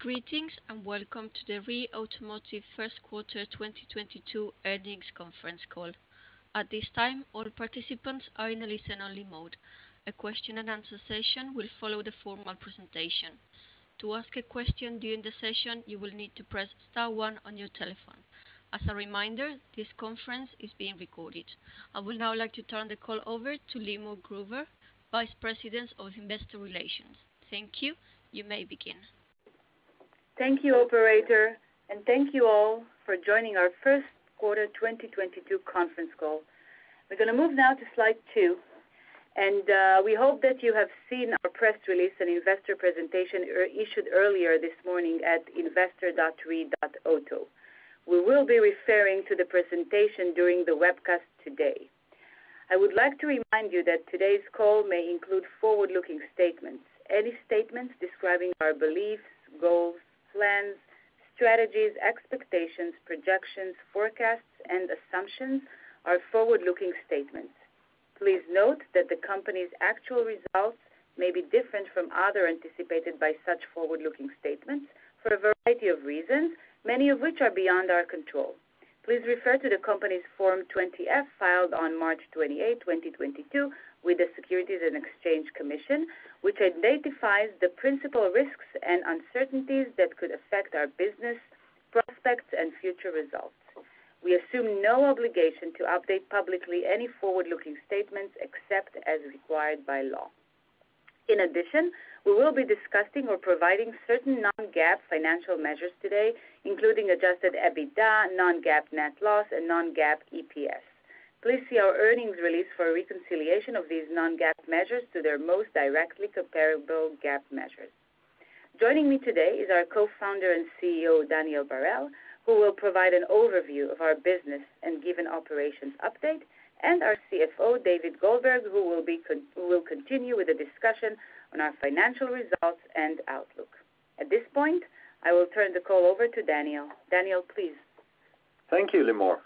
Greetings, and welcome to the REE Automotive Q1 2022 earnings conference call. At this time, all participants are in a listen-only mode. A question and answer session will follow the formal presentation. To ask a question during the session, you will need to press star one on your telephone. As a reminder, this conference is being recorded. I would now like to turn the call over to Limor Gruber, Vice President of Investor Relations. Thank you. You may begin. Thank you, operator, and thank you all for joining our Q1 2022 conference call. We're gonna move now to slide two, and we hope that you have seen our press release and investor presentation issued earlier this morning at investor.ree.auto. We will be referring to the presentation during the webcast today. I would like to remind you that today's call may include forward-looking statements. Any statements describing our beliefs, goals, plans, strategies, expectations, projections, forecasts, and assumptions are forward-looking statements. Please note that the company's actual results may be different from those anticipated by such forward-looking statements for a variety of reasons, many of which are beyond our control. Please refer to the company's Form 20-F filed on March 28, 2022 with the Securities and Exchange Commission, which identifies the principal risks and uncertainties that could affect our business, prospects, and future results. We assume no obligation to update publicly any forward-looking statements except as required by law. In addition, we will be discussing or providing certain non-GAAP financial measures today, including adjusted EBITDA, non-GAAP net loss, and non-GAAP EPS. Please see our earnings release for a reconciliation of these non-GAAP measures to their most directly comparable GAAP measures. Joining me today is our Co-founder and CEO, Daniel Barel, who will provide an overview of our business and give an operations update, and our CFO, David Goldberg, who will continue with the discussion on our financial results and outlook. At this point, I will turn the call over to Daniel. Daniel, please. Thank you, Limor.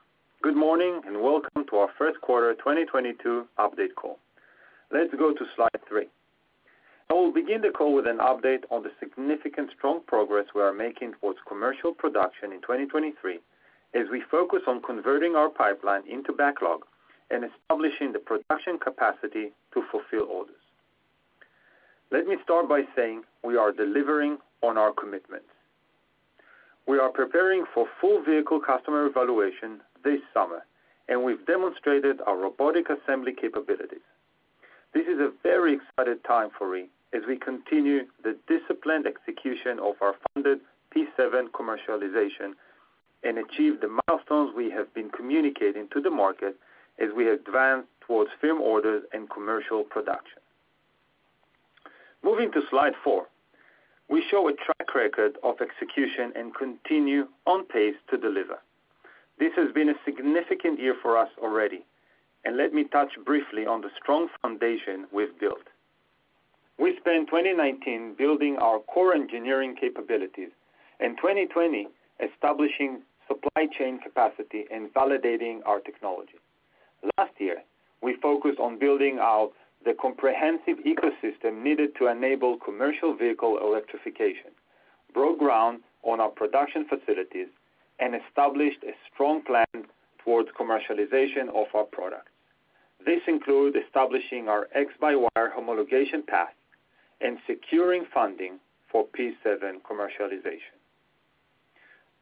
Good morning, and welcome to our Q1 2022 update call. Let's go to slide three. I will begin the call with an update on the significant strong progress we are making towards commercial production in 2023 as we focus on converting our pipeline into backlog and establishing the production capacity to fulfill orders. Let me start by saying we are delivering on our commitments. We are preparing for full vehicle customer evaluation this summer, and we've demonstrated our robotic assembly capabilities. This is a very exciting time for REE as we continue the disciplined execution of our funded P7 commercialization and achieve the milestones we have been communicating to the market as we advance towards firm orders and commercial production. Moving to slide four, we show a track record of execution and continue on pace to deliver. This has been a significant year for us already, and let me touch briefly on the strong foundation we've built. We spent 2019 building our core engineering capabilities, and 2020 establishing supply chain capacity and validating our technology. Last year, we focused on building out the comprehensive ecosystem needed to enable commercial vehicle electrification, broke ground on our production facilities, and established a strong plan towards commercialization of our products. This include establishing our x-by-wire homologation path and securing funding for P7 commercialization.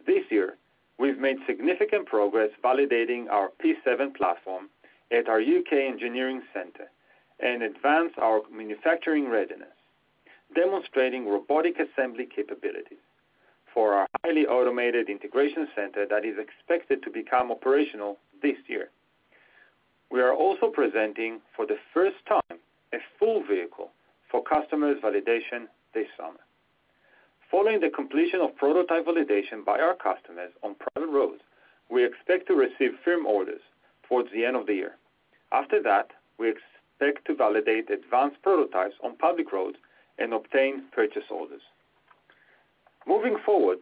This year, we've made significant progress validating our P7 platform at our UK engineering center and advanced our manufacturing readiness, demonstrating robotic assembly capabilities for our highly automated integration center that is expected to become operational this year. We are also presenting for the first time a full vehicle for customers validation this summer. Following the completion of prototype validation by our customers on private roads, we expect to receive firm orders towards the end of the year. After that, we expect to validate advanced prototypes on public roads and obtain purchase orders. Moving forward,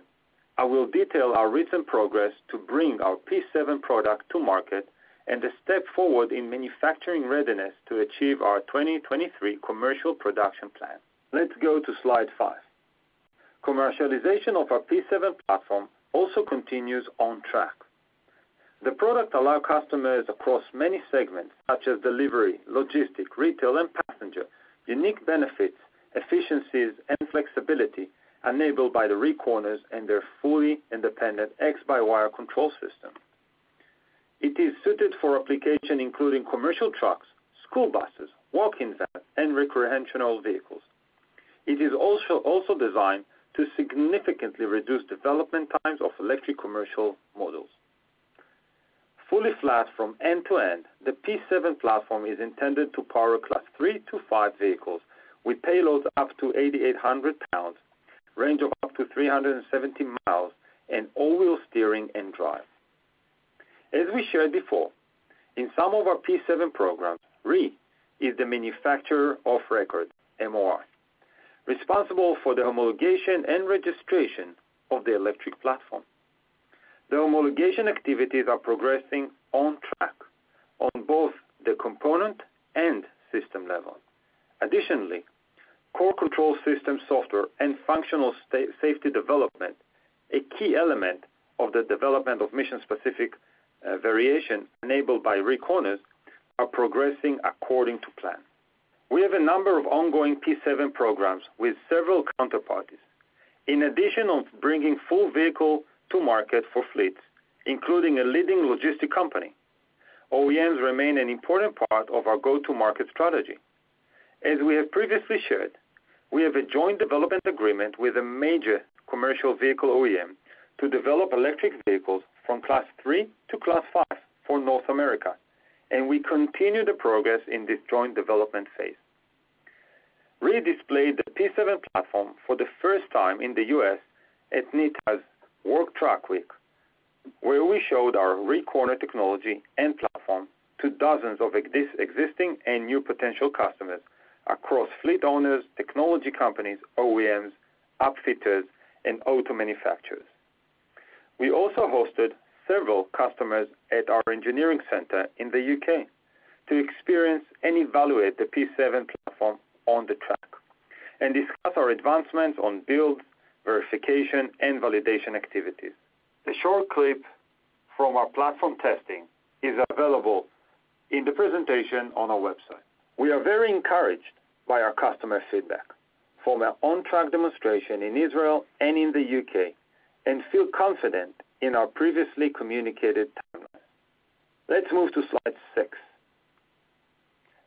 I will detail our recent progress to bring our P7 product to market and the step forward in manufacturing readiness to achieve our 2023 commercial production plan. Let's go to slide five. Commercialization of our P7 platform also continues on track. The product allow customers across many segments such as delivery, logistics, retail, and passenger, unique benefits, efficiencies, and flexibility enabled by the REEcorners and their fully independent x-by-wire control system. It is suited for application including commercial trucks, school buses, work vans, and recreational vehicles. It is also designed to significantly reduce development times of electric commercial models. Fully flat from end to end, the P7 platform is intended to power Class 3 to 5 vehicles with payloads up to 8,800 pounds, range of up to 370 miles, and all-wheel steering and drive. As we shared before, in some of our P7 programs, REE is the manufacturer of record, MOR, responsible for the homologation and registration of the electric platform. The homologation activities are progressing on track on both the component and system level. Additionally, core control system software and functional safety development, a key element of the development of mission-specific variations enabled by REEcorners, are progressing according to plan. We have a number of ongoing P7 programs with several counterparties. In addition to bringing full vehicle to market for fleets, including a leading logistics company, OEMs remain an important part of our go-to-market strategy. As we have previously shared, we have a joint development agreement with a major commercial vehicle OEM to develop electric vehicles from class three to class five for North America, and we continue to progress in this joint development phase. REE displayed the P7 platform for the first time in the US at NTEA's Work Truck Week, where we showed our REEcorner technology and platform to dozens of existing and new potential customers across fleet owners, technology companies, OEMs, upfitters, and auto manufacturers. We also hosted several customers at our engineering center in the U.K. to experience and evaluate the P7 platform on the track and discuss our advancements on build, verification, and validation activities. A short clip from our platform testing is available in the presentation on our website. We are very encouraged by our customer feedback from our on-track demonstration in Israel and in the UK and feel confident in our previously communicated timeline. Let's move to slide 6.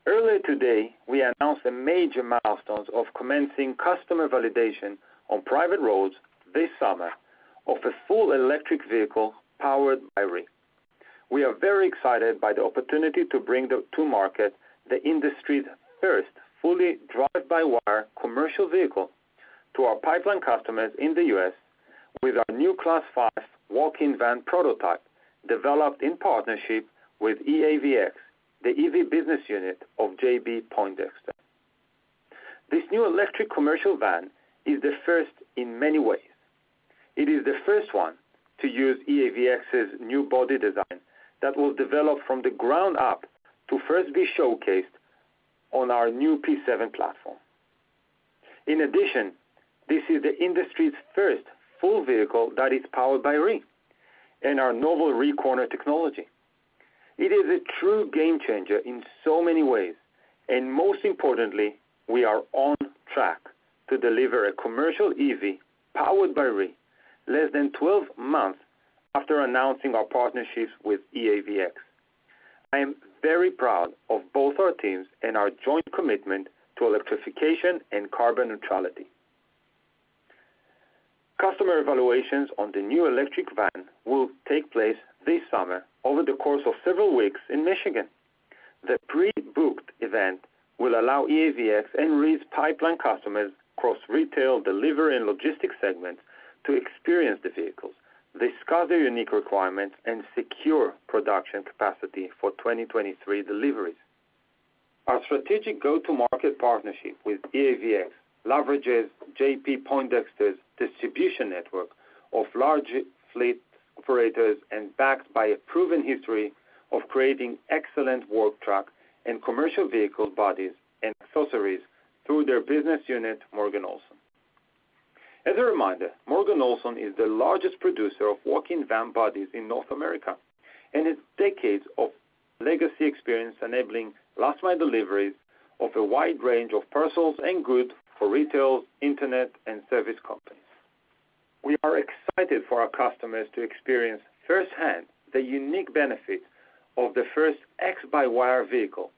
Earlier today, we announced a major milestone of commencing customer validation on private roads this summer of a fully electric vehicle powered by REE. We are very excited by the opportunity to bring to market the industry's first fully drive-by-wire commercial vehicle to our pipeline customers in the U.S. with our new Class 5 walk-in van prototype developed in partnership with EAVX, the EV business unit of J.B. Poindexter. This new electric commercial van is the first in many ways. It is the first one to use EAVX's new body design that we'll develop from the ground up to first be showcased on our new P7 platform. In addition, this is the industry's first full vehicle that is powered by REE and our novel REEcorner technology. It is a true game changer in so many ways, and most importantly, we are on track to deliver a commercial EV powered by REE less than 12 months after announcing our partnerships with EAVX. I am very proud of both our teams and our joint commitment to electrification and carbon neutrality. Customer evaluations on the new electric van will take place this summer over the course of several weeks in Michigan. The pre-booked event will allow EAVX and REE's pipeline customers across retail, delivery, and logistics segments to experience the vehicles, discuss their unique requirements, and secure production capacity for 2023 deliveries. Our strategic go-to-market partnership with EAVX leverages J.B. Poindexter's distribution network of large fleet operators and backed by a proven history of creating excellent work truck and commercial vehicle bodies and accessories through their business unit, Morgan Olson. As a reminder, Morgan Olson is the largest producer of walk-in van bodies in North America and has decades of legacy experience enabling last mile deliveries of a wide range of parcels and goods for retail, internet, and service companies. We are excited for our customers to experience first-hand the unique benefit of the first x-by-wire vehicle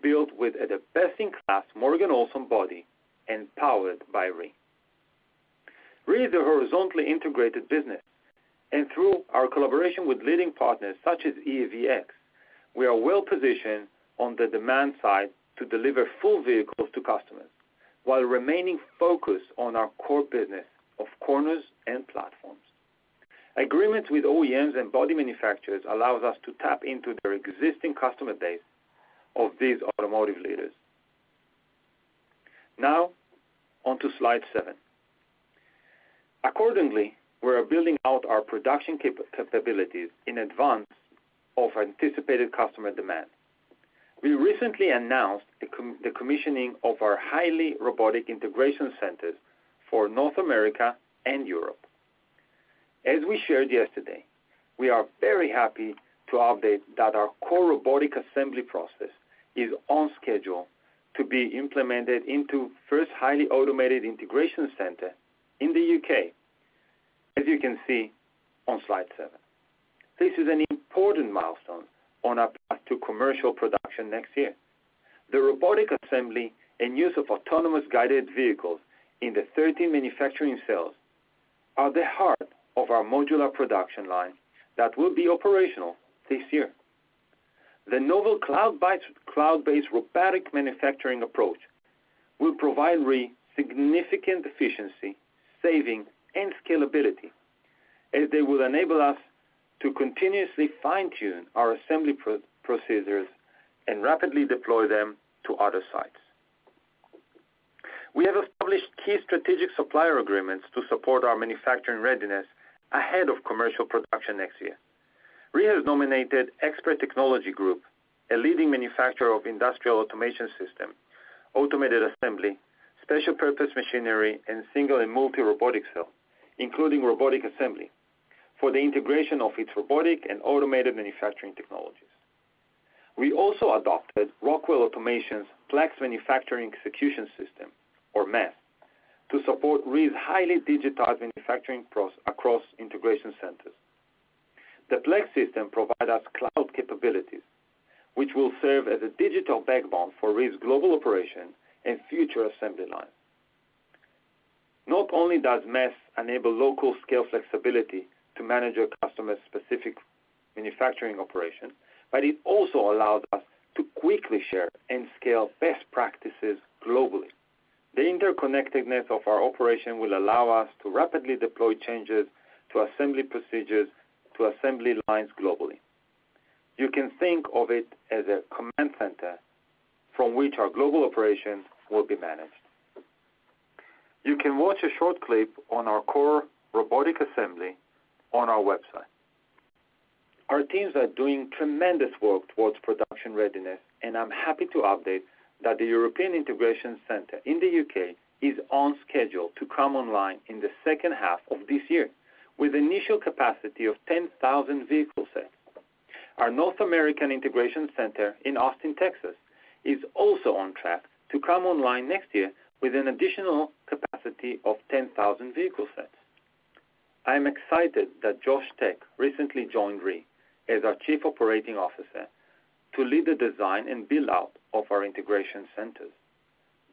built with the best-in-class Morgan Olson body and powered by REE. REE is a horizontally integrated business, and through our collaboration with leading partners such as EAVX, we are well-positioned on the demand side to deliver full vehicles to customers while remaining focused on our core business of corners and platforms. Agreements with OEMs and body manufacturers allows us to tap into their existing customer base of these automotive leaders. Now on to slide seven. Accordingly, we are building out our production capabilities in advance of anticipated customer demand. We recently announced the commissioning of our highly robotic integration centers for North America and Europe. As we shared yesterday, we are very happy to update that our core robotic assembly process is on schedule to be implemented into first highly automated integration center in the UK, as you can see on slide seven. This is an important milestone on our path to commercial production next year. The robotic assembly and use of autonomous guided vehicles in the 30 manufacturing cells are the heart of our modular production line that will be operational this year. The novel cloud-based robotic manufacturing approach will provide REE significant efficiency, savings, and scalability as they will enable us to continuously fine-tune our assembly procedures and rapidly deploy them to other sites. We have established key strategic supplier agreements to support our manufacturing readiness ahead of commercial production next year. REE has nominated Expert Technologies Group, a leading manufacturer of industrial automation system, automated assembly, special purpose machinery, and single and multi-robotic cell, including robotic assembly, for the integration of its robotic and automated manufacturing technologies. We also adopted Rockwell Automation's Plex Manufacturing Execution System or MES to support REE's highly digitized manufacturing process across integration centers. The Plex system provide us cloud capabilities, which will serve as a digital backbone for REE's global operation and future assembly lines. Not only does MES enable local scale flexibility to manage a customer's specific manufacturing operation, but it also allows us to quickly share and scale best practices globally. The interconnectedness of our operation will allow us to rapidly deploy changes to assembly procedures to assembly lines globally. You can think of it as a command center from which our global operations will be managed. You can watch a short clip on our core robotic assembly on our website. Our teams are doing tremendous work towards production readiness, and I'm happy to update that the European integration center in the U.K. is on schedule to come online in the H2 of this year with initial capacity of 10,000 vehicle sets. Our North American integration center in Austin, Texas, is also on track to come online next year with an additional capacity of 10,000 vehicle sets. I am excited that Josh Tech recently joined REE as our Chief Operating Officer to lead the design and build-out of our integration centers.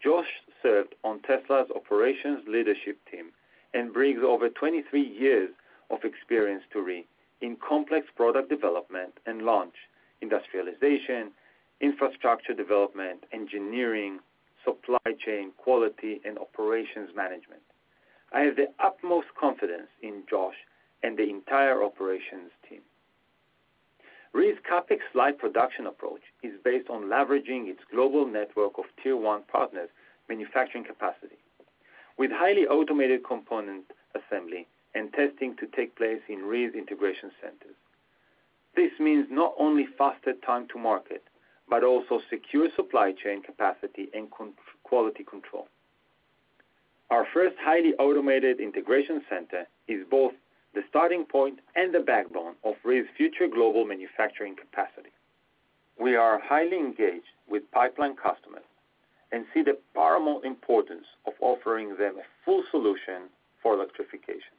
Josh served on Tesla's operations leadership team and brings over 23 years of experience to REE in complex product development and launch, industrialization, infrastructure development, engineering, supply chain, quality, and operations management. I have the utmost confidence in Josh and the entire operations team. REE's CapEx-light production approach is based on leveraging its global network of tier one partners' manufacturing capacity, with highly automated component assembly and testing to take place in REE's integration centers. This means not only faster time to market, but also secure supply chain capacity and consistent quality control. Our first highly automated integration center is both the starting point and the backbone of REE's future global manufacturing capacity. We are highly engaged with pipeline customers and see the paramount importance of offering them a full solution for electrification,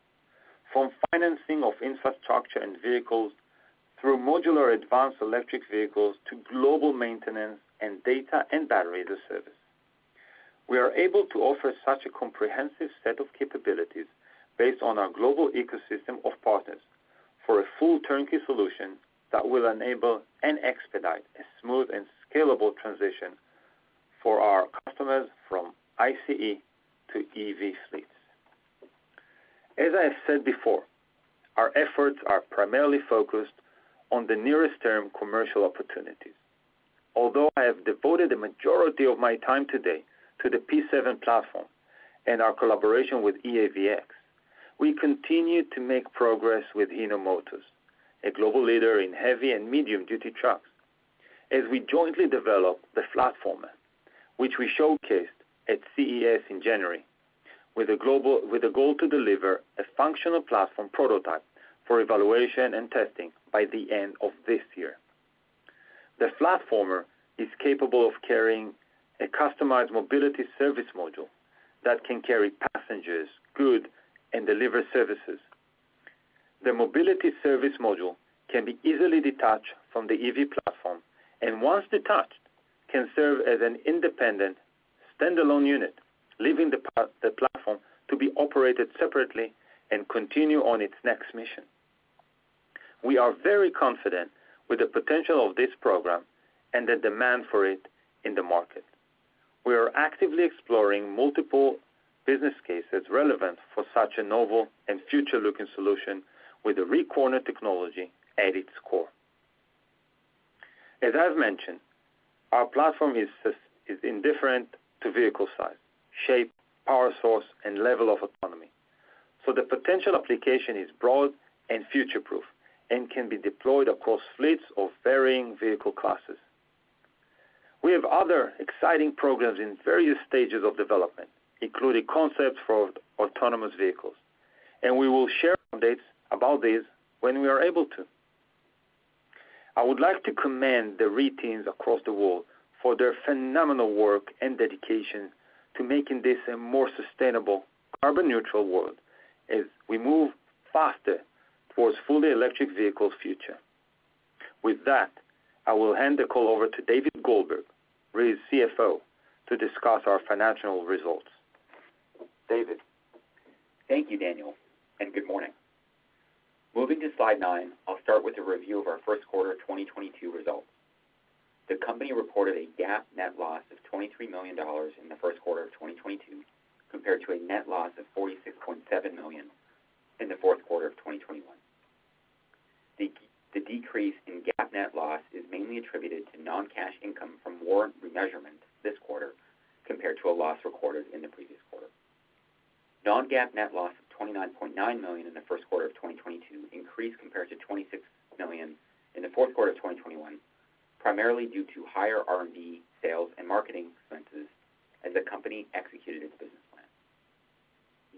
from financing of infrastructure and vehicles through modular advanced electric vehicles to global maintenance and data and battery service. We are able to offer such a comprehensive set of capabilities based on our global ecosystem of partners for a full turnkey solution that will enable and expedite a smooth and scalable transition for our customers from ICE to EV fleets. As I have said before, our efforts are primarily focused on the nearest term commercial opportunities. Although I have devoted the majority of my time today to the P7 platform and our collaboration with EAVX, we continue to make progress with Hino Motors, a global leader in heavy and medium-duty trucks, as we jointly develop the platform, which we showcased at CES in January, with a goal to deliver a functional platform prototype for evaluation and testing by the end of this year. The platform is capable of carrying a customized mobility service module that can carry passengers, goods, and deliver services. The mobility service module can be easily detached from the EV platform, and once detached, can serve as an independent standalone unit, leaving the platform to be operated separately and continue on its next mission. We are very confident with the potential of this program and the demand for it in the market. We are actively exploring multiple business cases relevant for such a novel and future-looking solution with the REEcorner technology at its core. As I've mentioned, our platform is indifferent to vehicle size, shape, power source, and level of autonomy, so the potential application is broad and future-proof and can be deployed across fleets of varying vehicle classes. We have other exciting programs in various stages of development, including concepts for autonomous vehicles, and we will share updates about this when we are able to. I would like to commend the REE teams across the world for their phenomenal work and dedication to making this a more sustainable carbon neutral world as we move faster towards fully electric vehicles future. With that, I will hand the call over to David Goldberg, REE's CFO, to discuss our financial results. David? Thank you, Daniel, and good morning. Moving to slide nine, I'll start with a review of our Q1 2022 results. The company reported a GAAP net loss of $23 million in the Q1 of 2022, compared to a net loss of $46.7 million in the Q4 of 2021. The decrease in GAAP net loss is mainly attributed to non-cash income from warrant remeasurement this quarter compared to a loss recorded in the previous quarter. Non-GAAP net loss of $29.9 million in the Q1 of 2022 increased compared to $26 million in the Q4 of 2021, primarily due to higher R&D sales and marketing expenses as the company executed its business plan.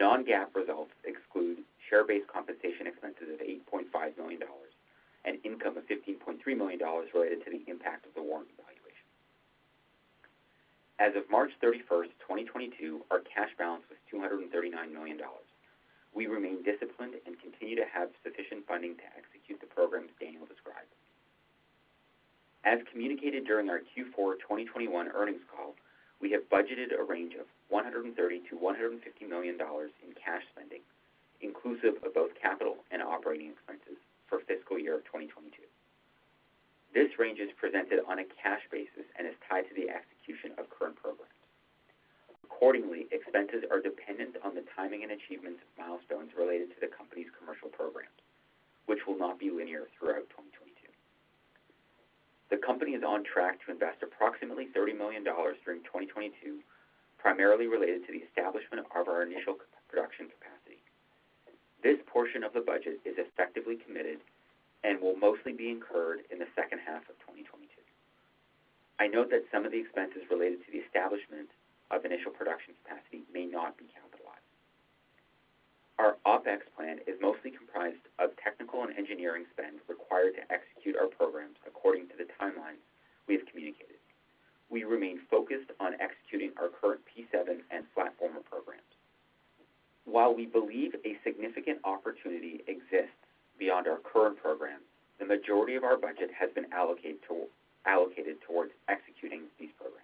non-GAAP results exclude share-based compensation expenses of $8.5 million and income of $15.3 million related to the impact of the warrant valuation. As of March 31, 2022, our cash balance was $239 million. We remain disciplined and continue to have sufficient funding to execute the programs Daniel described. As communicated during our Q4 2021 earnings call, we have budgeted a range of $130 million-$150 million in cash spending, inclusive of both capital and operating expenses for fiscal year 2022. This range is presented on a cash basis and is tied to the execution of current programs. Accordingly, expenses are dependent on the timing and achievements of milestones related to the company's commercial programs, which will not be linear throughout 2022. The company is on track to invest approximately $30 million during 2022, primarily related to the establishment of our initial production capacity. This portion of the budget is effectively committed and will mostly be incurred in the H2 of 2022. I note that some of the expenses related to the establishment of initial production capacity may not be capitalized. Our OpEx plan is mostly comprised of technical and engineering spend required to execute our programs according to the timelines we have communicated. We remain focused on executing our current P7 and platform programs. While we believe a significant opportunity exists beyond our current programs, the majority of our budget has been allocated towards executing these programs.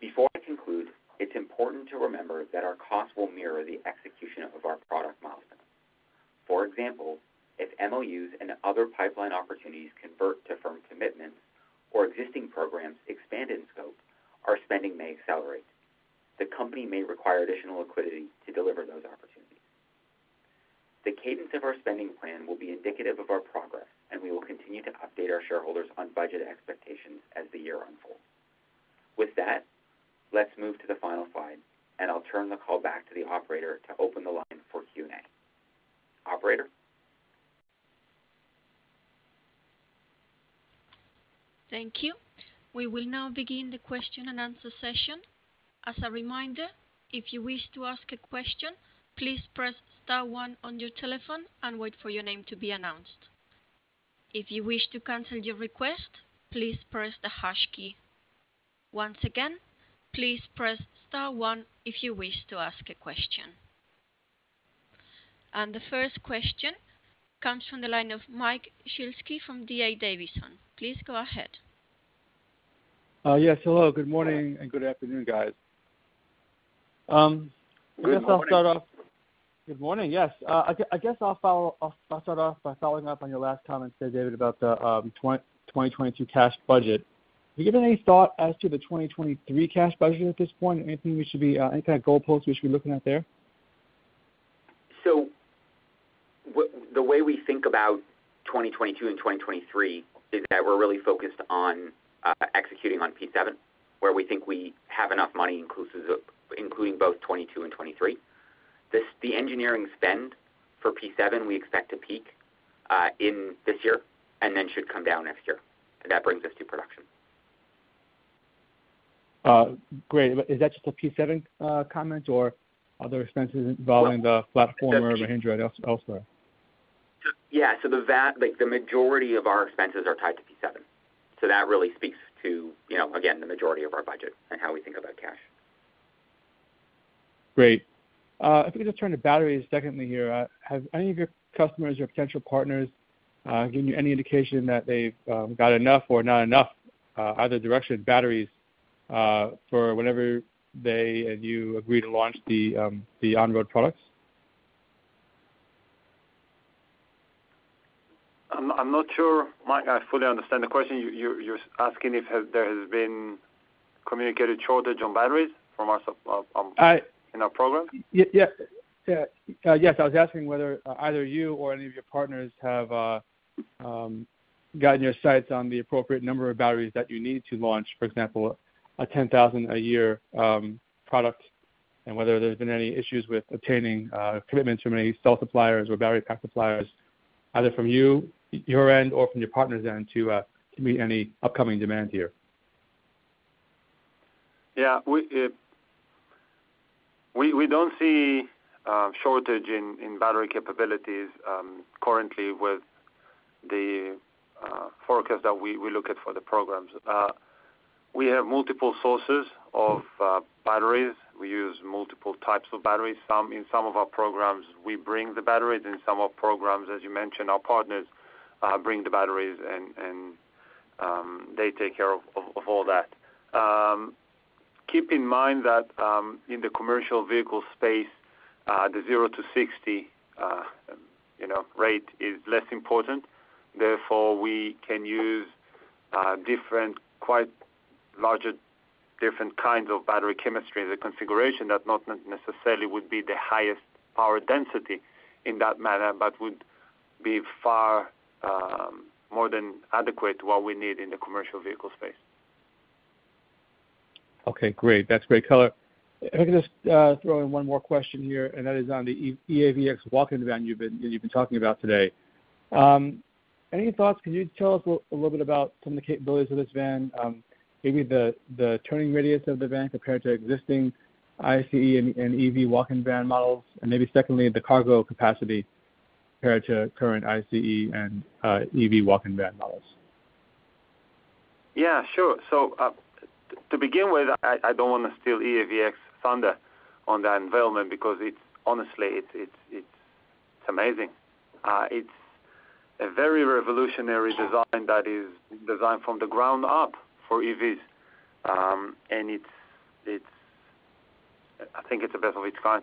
Before I conclude, it's important to remember that our costs will mirror the execution of our product milestones. For example, if MOUs and other pipeline opportunities convert to firm commitments or existing programs expand in scope, our spending may accelerate. The company may require additional liquidity to deliver those opportunities. The cadence of our spending plan will be indicative of our progress, and we will continue to update our shareholders on budget expectations as the year unfolds. With that, let's move to the final slide, and I'll turn the call back to the operator to open the line for Q&A. Operator? Thank you. We will now begin the question-and-answer session. As a reminder, if you wish to ask a question, please press star one on your telephone and wait for your name to be announced. If you wish to cancel your request, please press the hash key. Once again, please press star one if you wish to ask a question. The first question comes from the line of Mike Shlisky from D.A. Davidson. Please go ahead. Yes, hello. Good morning, and good afternoon, guys. Good morning. Good morning, yes. I guess I'll start off by following up on your last comment, say, David, about the 2022 cash budget. Have you given any thought as to the 2023 cash budget at this point? Anything we should be. Any kind of goalposts we should be looking at there? The way we think about 2022 and 2023 is that we're really focused on executing on P7, where we think we have enough money inclusive of both 2022 and 2023. The engineering spend for P7, we expect to peak in this year and then should come down next year. That brings us to production. Great. Is that just a P7 comment, or are there expenses involving the platform or Mahindra elsewhere? Yeah. Like, the majority of our expenses are tied to P7. That really speaks to, you know, again, the majority of our budget and how we think about cash. Great. If we could just turn to batteries secondly here. Have any of your customers or potential partners given you any indication that they've got enough or not enough, either direction, batteries, for whenever they and you agree to launch the on-road products? I'm not sure, Mike, if I fully understand the question. You're asking if there has been communicated shortage of batteries from our suppliers in our program? Yes. I was asking whether either you or any of your partners have gotten your sights on the appropriate number of batteries that you need to launch, for example, a 10,000 a year product, and whether there's been any issues with obtaining commitments from any cell suppliers or battery pack suppliers, either from you, your end or from your partners' end to meet any upcoming demand here. Yeah. We don't see shortage in battery capabilities currently with the forecast that we look at for the programs. We have multiple sources of batteries. We use multiple types of batteries. In some of our programs, we bring the batteries. In some of our programs, as you mentioned, our partners bring the batteries and they take care of all that. Keep in mind that in the commercial vehicle space, the zero to sixty you know rate is less important. Therefore, we can use different, quite larger, different kinds of battery chemistry, the configuration that not necessarily would be the highest power density in that manner, but would be far more than adequate what we need in the commercial vehicle space. Okay, great. That's great color. If I could just throw in one more question here, and that is on the EAVX walk-in van you've been talking about today. Any thoughts, can you tell us a little bit about some of the capabilities of this van, maybe the turning radius of the van compared to existing ICE and EV walk-in van models, and maybe secondly, the cargo capacity compared to current ICE and EV walk-in van models? Yeah, sure. To begin with, I don't wanna steal EAVX's thunder on that development because it's, honestly, it's amazing. It's a very revolutionary design that is designed from the ground up for EVs. And it's, I think it's the best of its kind.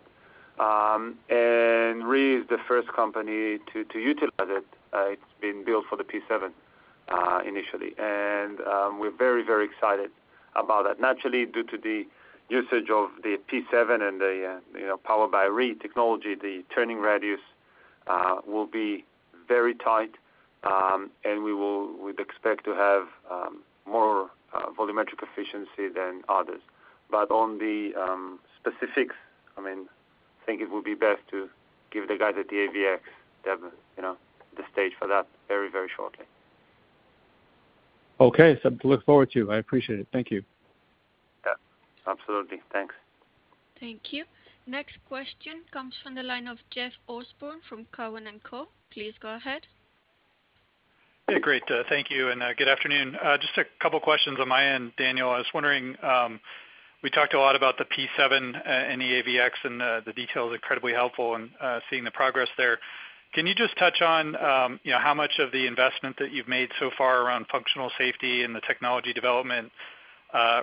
And REE is the first company to utilize it. It's been built for the P7, initially. We're very, very excited about that. Naturally, due to the usage of the P7 and the, you know, powered by REE technology, the turning radius will be very tight, and we'd expect to have more volumetric efficiency than others. But on the specifics, I mean, I think it would be best to give the guys at the EAVX the, you know, the stage for that very, very shortly. Okay. Something to look forward to. I appreciate it. Thank you. Yeah. Absolutely. Thanks. Thank you. Next question comes from the line of Jeff Osborne from Cowen and Co. Please go ahead. Yeah, great. Thank you and good afternoon. Just a couple questions on my end, Daniel. I was wondering, we talked a lot about the P7 and EAVX, and the detail is incredibly helpful and seeing the progress there. Can you just touch on, you know, how much of the investment that you've made so far around functional safety and the technology development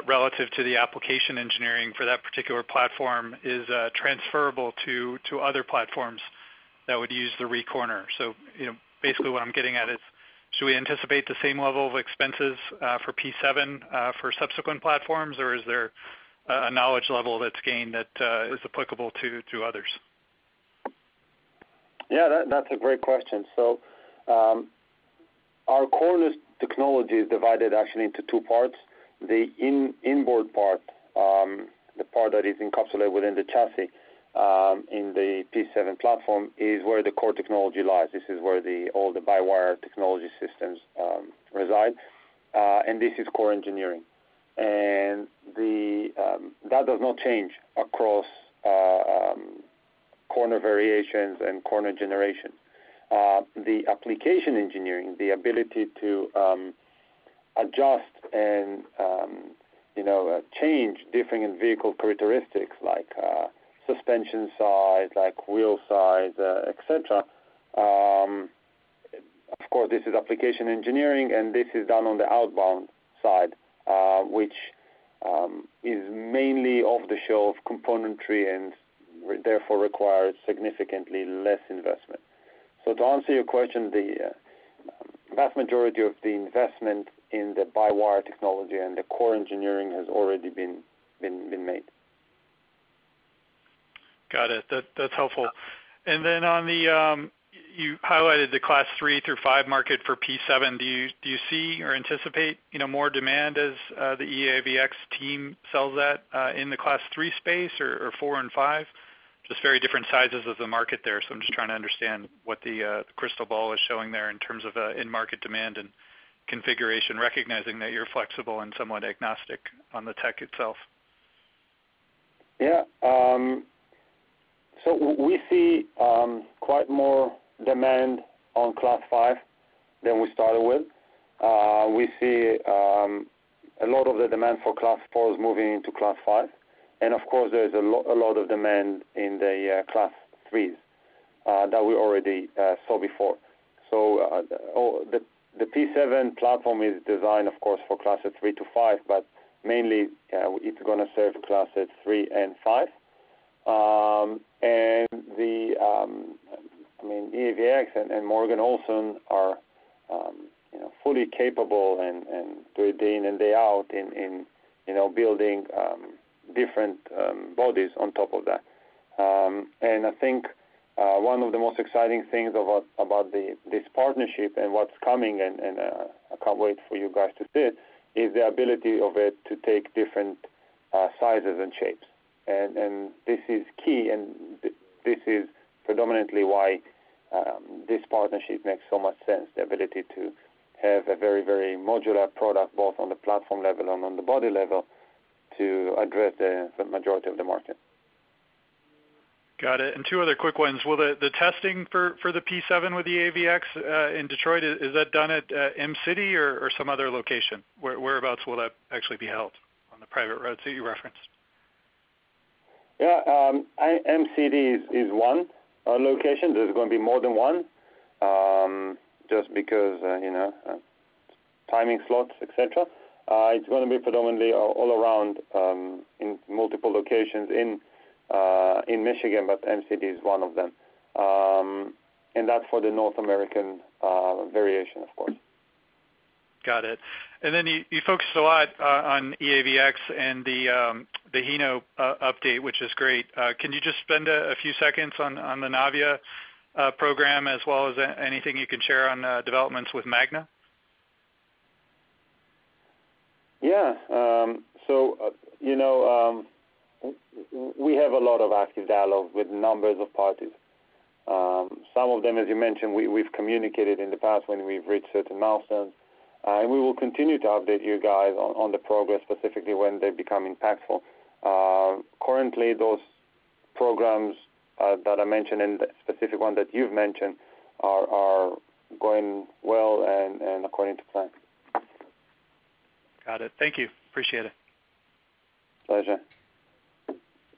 relative to the application engineering for that particular platform is transferable to other platforms that would use the REEcorner? So, you know, basically what I'm getting at is should we anticipate the same level of expenses for P7 for subsequent platforms, or is there a knowledge level that's gained that is applicable to others? Yeah, that's a great question. Our REEcorner technology is divided actually into two parts. The inboard part, the part that is encapsulated within the chassis, in the P7 platform, is where the core technology lies. This is where all the by-wire technology systems reside. This is core engineering. That does not change across corner variations and corner generation. The application engineering, the ability to adjust and, you know, change different vehicle characteristics like suspension size, like wheel size, et cetera, of course, this is application engineering, and this is done on the outboard side, which is mainly off-the-shelf componentry and therefore requires significantly less investment. To answer your question, the vast majority of the investment in the by-wire technology and the core engineering has already been made. Got it. That's helpful. On the you highlighted the Class three through five market for P7. Do you see or anticipate, you know, more demand as the EAVX team sells that in the Class three space or four and five? Just very different sizes of the market there, so I'm just trying to understand what the crystal ball is showing there in terms of in-market demand and configuration, recognizing that you're flexible and somewhat agnostic on the tech itself. Yeah. We see quite more demand on Class five than we started with. We see a lot of the demand for Class four is moving into Class five. Of course, there's a lot of demand in the Class threes that we already saw before. The P7 platform is designed, of course, for Classes three to five, but mainly it's gonna serve Classes three and five. I mean, EAVX and Morgan Olson are you know fully capable and do it day in and day out in you know building different bodies on top of that. I think one of the most exciting things about this partnership and what's coming and I can't wait for you guys to see it is the ability of it to take different sizes and shapes. This is key and this is predominantly why this partnership makes so much sense, the ability to have a very modular product, both on the platform level and on the body level, to address the majority of the market. Got it. Two other quick ones. Will the testing for the P7 with EAVX in Detroit is that done at Mcity or some other location? Whereabouts will that actually be held on the private road city you referenced? Yeah, Mcity is one location. There's gonna be more than one, just because, you know, timing slots, et cetera. It's gonna be predominantly all around in multiple locations in Michigan, but Mcity is one of them. That's for the North American variation, of course. Got it. Then you focused a lot on EAVX and the Hino update, which is great. Can you just spend a few seconds on the Navya program as well as anything you can share on developments with Magna? Yeah. You know, we have a lot of active dialogue with numerous parties. Some of them, as you mentioned, we've communicated in the past when we've reached certain milestones. We will continue to update you guys on the progress, specifically when they become impactful. Currently, those programs that I mentioned, and the specific one that you've mentioned are going well and according to plan. Got it. Thank you. Appreciate it. Pleasure.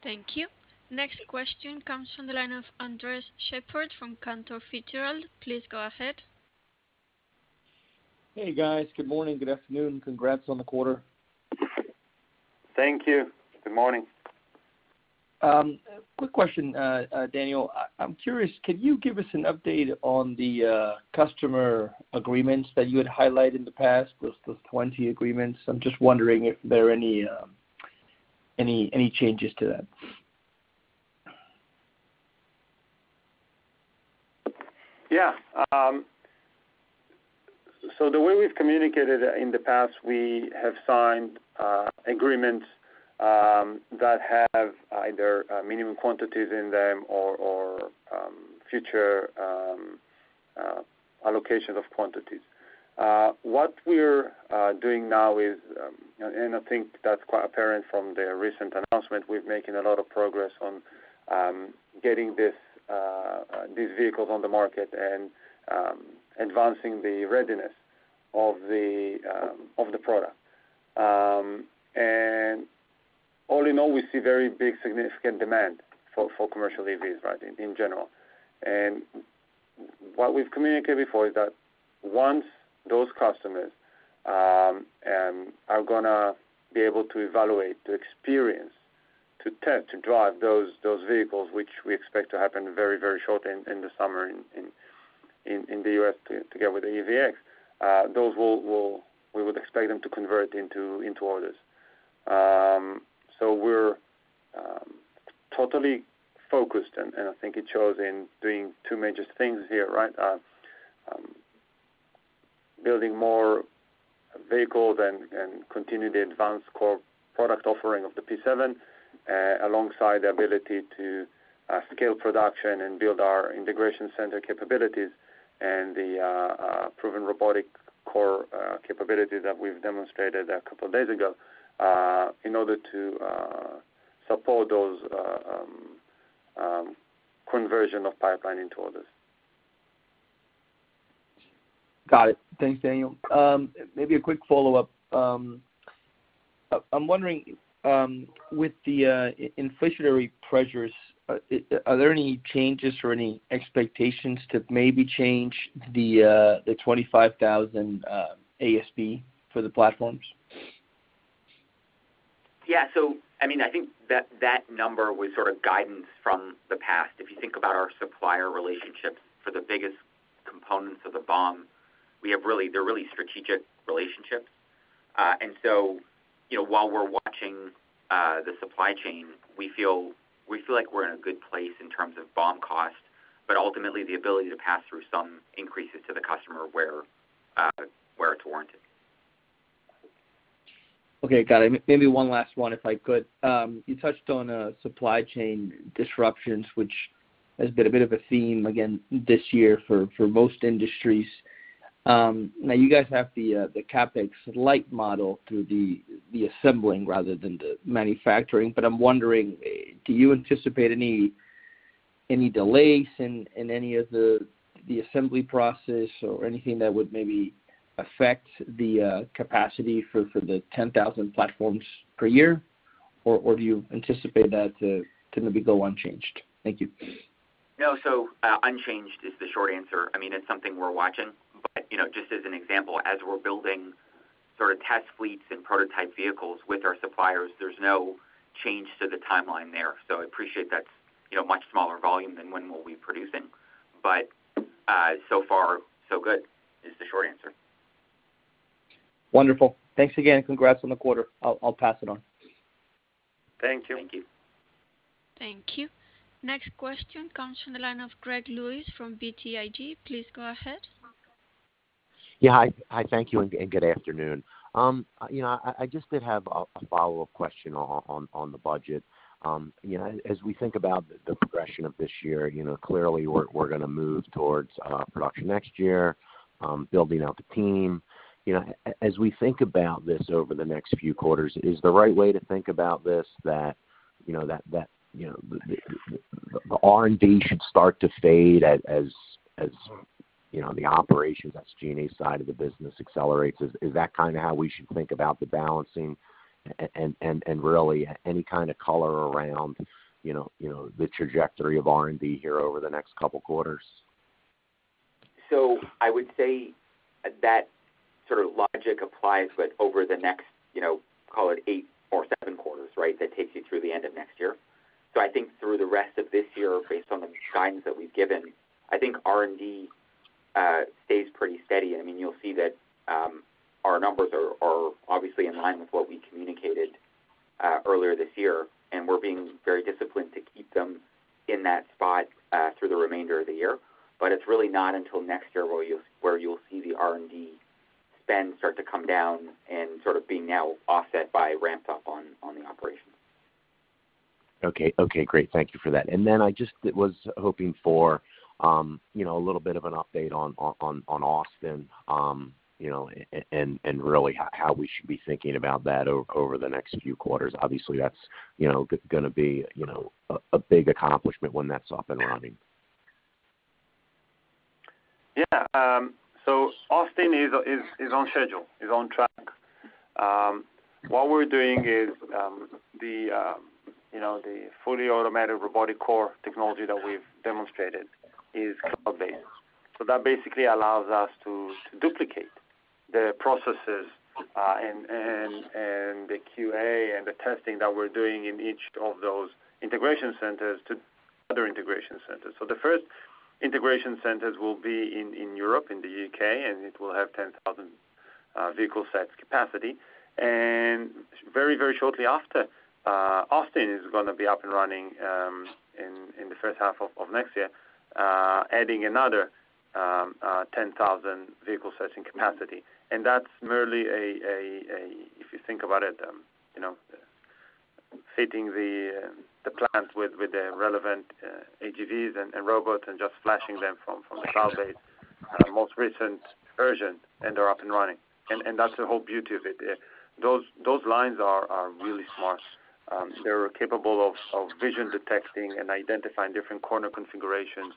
Thank you. Next question comes from the line of Andres Sheppard from Cantor Fitzgerald. Please go ahead. Hey, guys. Good morning, good afternoon. Congrats on the quarter. Thank you. Good morning. Quick question, Daniel. I'm curious, can you give us an update on the customer agreements that you had highlighted in the past, those 20 agreements? I'm just wondering if there are any changes to that. Yeah. The way we've communicated in the past, we have signed agreements that have either minimum quantities in them or future allocations of quantities. What we're doing now is, I think that's quite apparent from the recent announcement, we're making a lot of progress on getting these vehicles on the market and advancing the readiness of the product. All in all, we see very big significant demand for commercial EVs, right, in general. What we've communicated before is that once those customers are gonna be able to evaluate, to experience, to test, to drive those vehicles, which we expect to happen very, very shortly in the summer in the U.S. together with the EAVX, we would expect them to convert into orders. We're totally focused, and I think it shows in doing two major things here, right? Building more vehicles and continue the advanced core product offering of the P7, alongside the ability to scale production and build our integration center capabilities and the proven robotic core capabilities that we've demonstrated a couple of days ago, in order to support those conversion of pipeline into orders. Got it. Thanks, Daniel. Maybe a quick follow-up. I'm wondering, with the inflationary pressures, are there any changes or any expectations to maybe change the $25,000 ASP for the platforms? Yeah. I mean, I think that number was sort of guidance from the past. If you think about our supplier relationships for the biggest components of the BOM, we have really. They're really strategic relationships. You know, while we're watching the supply chain, we feel like we're in a good place in terms of BOM cost, but ultimately the ability to pass through some increases to the customer where it's warranted. Okay. Got it. Maybe one last one, if I could. You touched on supply chain disruptions, which has been a bit of a theme again this year for most industries. Now you guys have the CapEx light model through the assembling rather than the manufacturing. I'm wondering, do you anticipate any delays in any of the assembly process or anything that would maybe affect the capacity for the 10,000 platforms per year, or do you anticipate that to maybe go unchanged? Thank you. No. Unchanged is the short answer. I mean, it's something we're watching. You know, just as an example, as we're building sort of test fleets and prototype vehicles with our suppliers, there's no change to the timeline there. I appreciate that's, you know, much smaller volume than when we'll be producing. So far, so good is the short answer. Wonderful. Thanks again. Congrats on the quarter. I'll pass it on. Thank you. Thank you. Thank you. Next question comes from the line of Greg Lewis from BTIG. Please go ahead. Hi. Thank you and good afternoon. You know, I just do have a follow-up question on the budget. You know, as we think about the progression of this year, you know, clearly we're gonna move towards production next year, building out the team. You know, as we think about this over the next few quarters, is the right way to think about this that, you know, that the R&D should start to fade as, you know, the operations, that's engineering side of the business accelerates? Is that kind of how we should think about the balancing and really any kind of color around, you know, the trajectory of R&D here over the next couple quarters? I would say that sort of logic applies, but over the next, you know, call it eight or seven quarters, right? That takes you through the end of next year. I think through the rest of this year, based on the guidance that we've given, I think R&D stays pretty steady. I mean, you'll see that our numbers are obviously in line with what we communicated earlier this year, and we're being very disciplined to keep them in that spot through the remainder of the year. It's really not until next year where you'll see the R&D spend start to come down and sort of being now offset by ramped up on the operations. Okay. Okay, great. Thank you for that. I just was hoping for, you know, a little bit of an update on Austin, you know, and really how we should be thinking about that over the next few quarters. Obviously, that's, you know, gonna be, you know, a big accomplishment when that's up and running. Yeah. Austin is on schedule, on track. What we're doing is, you know, the fully automatic robotic core technology that we've demonstrated is cloud-based. That basically allows us to duplicate the processes and the QA and the testing that we're doing in each of those integration centers to other integration centers. The first integration centers will be in Europe, in the U.K., and it will have 10,000 vehicle sets capacity. Very shortly after, Austin is gonna be up and running in the H1 of next year, adding another 10,000 vehicle sets in capacity. That's merely a. If you think about it, you know, fitting the plant with the relevant AGVs and robots and just flashing them from the cloud-based most recent version, and they're up and running. That's the whole beauty of it. Those lines are really smart. They're capable of vision detecting and identifying different corner configurations.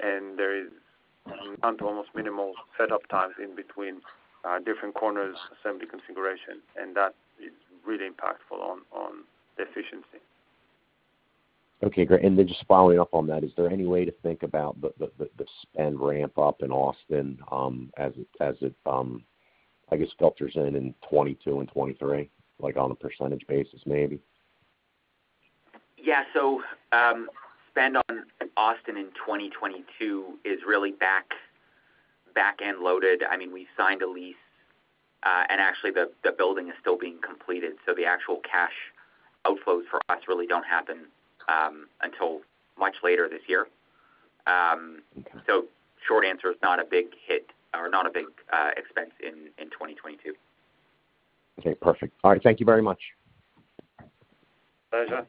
They're down to almost minimal setup times in between different corners assembly configuration, and that is really impactful on the efficiency. Okay, great. Just following up on that, is there any way to think about the spend ramp up in Austin, as it, I guess, filters in in 2022 and 2023, like, on a percentage basis maybe? Yeah. Spend on Austin in 2022 is really back-end loaded. I mean, we signed a lease, and actually the building is still being completed, so the actual cash outflows for us really don't happen until much later this year. Short answer is not a big hit or not a big expense in 2022. Okay, perfect. All right. Thank you very much. Pleasure.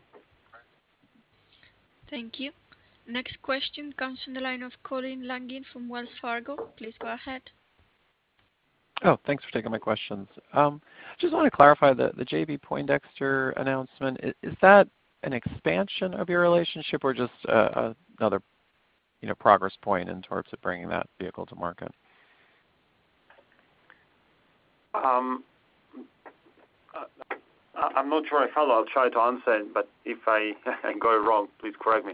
Thank you. Next question comes from the line of Colin Langan from Wells Fargo. Please go ahead. Oh, thanks for taking my questions. Just wanna clarify the J.B. Poindexter announcement. Is that an expansion of your relationship or just another, you know, progress point in towards bringing that vehicle to market? I'm not sure I follow. I'll try to answer it, but if I go wrong, please correct me.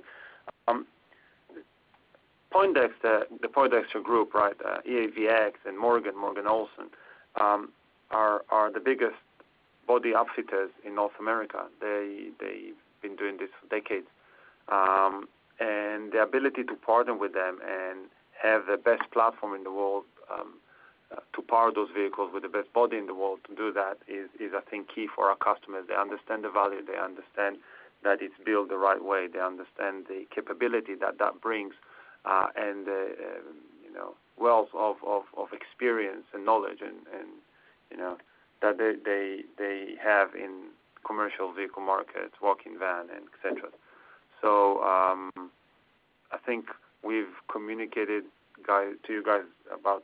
Poindexter, the Poindexter Group, right, EAVX and Morgan Olson are the biggest body upfitters in North America. They've been doing this for decades. The ability to partner with them and have the best platform in the world to power those vehicles with the best body in the world to do that is I think key for our customers. They understand the value, they understand that it's built the right way. They understand the capability that that brings, and the, you know, wealth of experience and knowledge and, you know, that they have in commercial vehicle markets, work van and et cetera. I think we've communicated to you guys about, oh,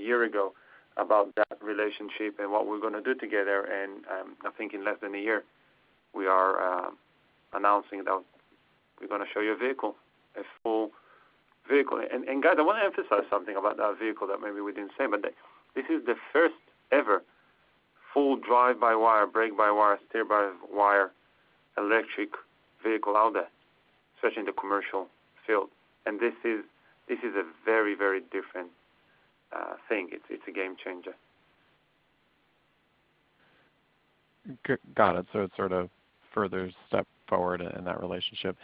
a year ago about that relationship and what we're gonna do together. I think in less than a year, we are announcing that we're gonna show you a vehicle, a full vehicle. Guy, I wanna emphasize something about that vehicle that maybe we didn't say, but this is the first ever full drive-by-wire, brake-by-wire, steer-by-wire electric vehicle out there, especially in the commercial field. This is a very, very different thing. It's a game changer. Got it. It's sort of further step forward in that relationship.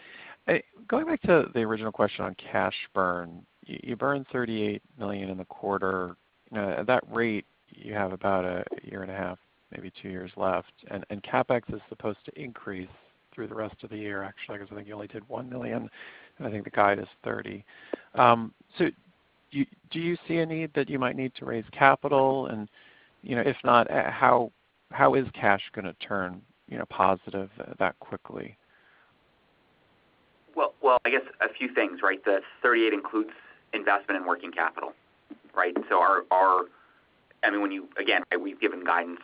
Hey, going back to the original question on cash burn, you burn $38 million in the quarter. Now, at that rate, you have about a year and a half, maybe two years left, and CapEx is supposed to increase through the rest of the year. Actually, I guess, I think you only did $1 million, and I think the guide is $30 million. Do you see a need that you might need to raise capital? You know, if not, how is cash gonna turn, you know, positive that quickly? Well, I guess a few things, right? The $38 million includes investment in working capital, right? Our I mean, again, we've given guidance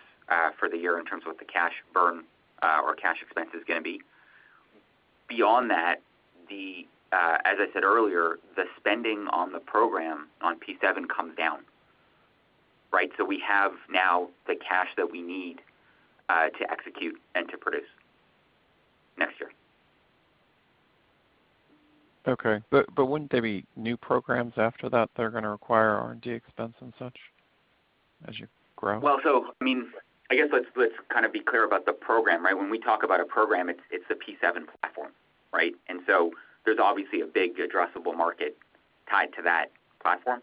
for the year in terms of what the cash burn or cash expense is gonna be. Beyond that, as I said earlier, the spending on the program on P7 comes down, right? We have now the cash that we need to execute and to produce. Okay. Wouldn't there be new programs after that are gonna require R&D expense and such as you grow? Well, I mean, I guess let's kind of be clear about the program, right? When we talk about a program, it's a P7 platform, right? There's obviously a big addressable market tied to that platform.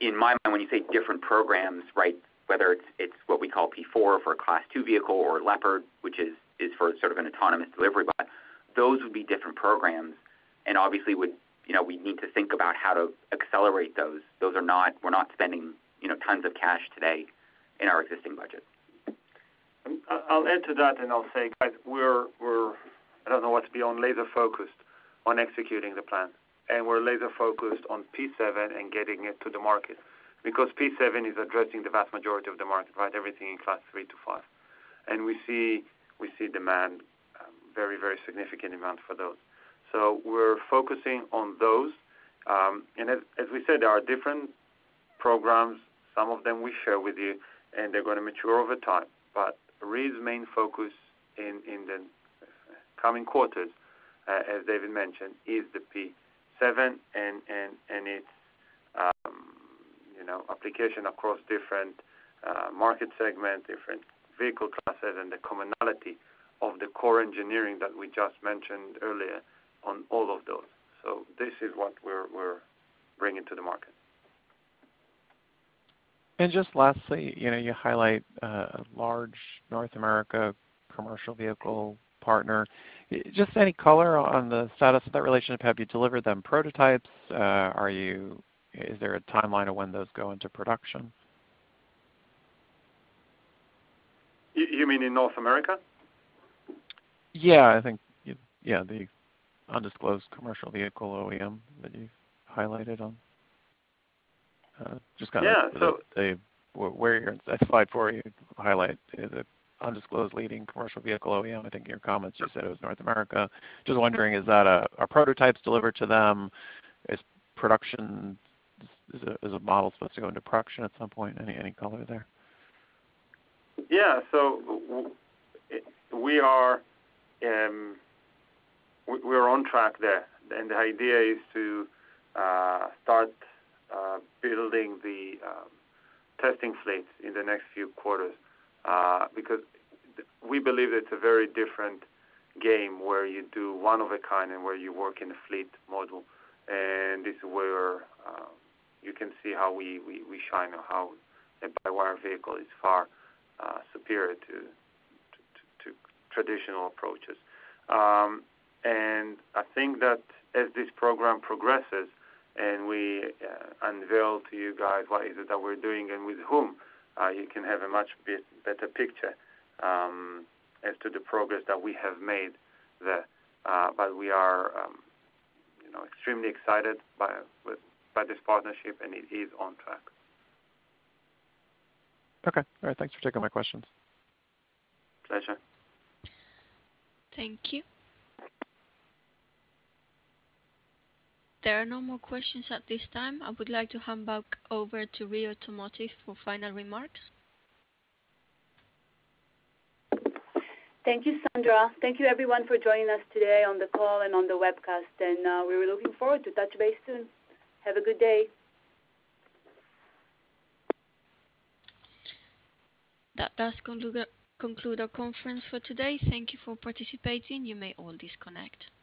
In my mind, when you say different programs, right, whether it's what we call P4 for a Class 2 vehicle or Leopard, which is for sort of an autonomous delivery bot, those would be different programs and obviously would, you know, we need to think about how to accelerate those. Those are not. We're not spending, you know, tons of cash today in our existing budget. I'll add to that, and I'll say, guys, I don't know, but we're laser-focused on executing the plan. We're laser-focused on P7 and getting it to the market because P7 is addressing the vast majority of the market, right? Everything in class 3-5. We see demand, very, very significant demand for those. So we're focusing on those. As we said, there are different programs. Some of them we share with you, and they're gonna mature over time. REE's main focus in the coming quarters, as David mentioned, is the P7 and its application across different market segment, different vehicle classes, and the commonality of the core engineering that we just mentioned earlier on all of those. So this is what we're bringing to the market. Just lastly, you know, you highlight a large North America commercial vehicle partner. Just any color on the status of that relationship? Have you delivered them prototypes? Is there a timeline of when those go into production? You mean in North America? The undisclosed commercial vehicle OEM that you highlighted on. Just kind of- Yeah. Where your Slide four, you highlight the undisclosed leading commercial vehicle OEM. I think your comments just said it was North America. Just wondering, are prototypes delivered to them? Is a model supposed to go into production at some point? Any color there? We are on track there. The idea is to start building the testing fleets in the next few quarters, because we believe it's a very different game where you do one-of-a-kind and where you work in a fleet model, and this is where you can see how we shine or how a by-wire vehicle is far superior to traditional approaches. I think that as this program progresses and we unveil to you guys what is it that we're doing and with whom, you can have a much better picture as to the progress that we have made there. We are, you know, extremely excited by this partnership, and it is on track. Okay. All right. Thanks for taking my questions. Pleasure. Thank you. There are no more questions at this time. I would like to hand back over to REE Automotive for final remarks. Thank you, Sandra. Thank you everyone for joining us today on the call and on the webcast. We were looking forward to touch base soon. Have a good day. That does conclude our conference for today. Thank you for participating. You may all disconnect.